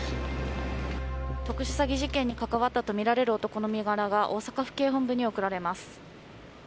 特殊詐欺事件に関わったとみられる男の身柄が大阪府警本部に送られます。